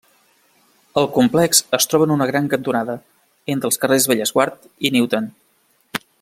El complex es troba en una gran cantonada, entre els carrers Bellesguard i Newton.